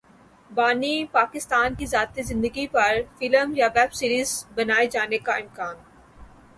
بانی پاکستان کی ذاتی زندگی پر فلم یا ویب سیریز بنائے جانے کا امکان